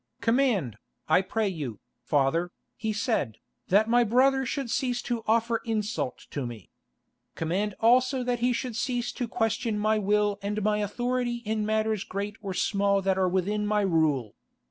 "Command, I pray you, father," he said, "that my brother should cease to offer insult to me. Command also that he should cease to question my will and my authority in matters great or small that are within my rule.